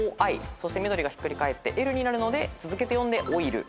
そして緑がひっくり返ってＬになるので続けて読んでＯＩＬ。